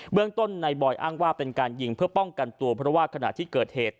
เรื่องต้นในบอยอ้างว่าเป็นการยิงเพื่อป้องกันตัวเพราะว่าขณะที่เกิดเหตุ